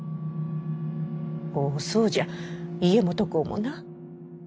おおそうじゃ家基公もな。